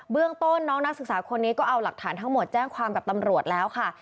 เรื่องต้นน้องนักศึกษาคนนี้ก็เอาหลักฐานทั้งหมดแจ้งความกับตำรวจแล้วค่ะ